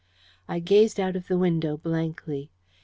I gazed out of the window blankly.